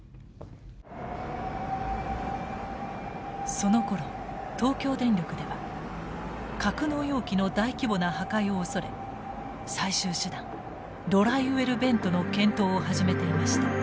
そのころ東京電力では格納容器の大規模な破壊を恐れ最終手段ドライウェルベントの検討を始めていました。